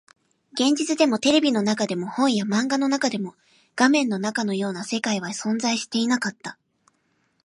現実でも、テレビの中でも、本や漫画の中でも、画面の中のような世界は存在していなかった